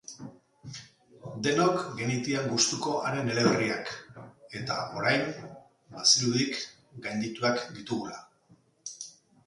Denok genitian gustuko haren eleberriak, eta, orain, bazirudik gaindituak ditugula.